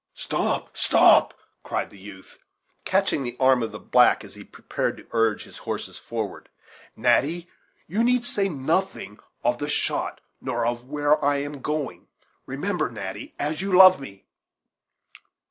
"Stop, stop," cried the youth, catching the arm of the black as he prepared to urge his horses forward; "Natty you need say nothing of the shot, nor of where I am going remember, Natty, as you love me."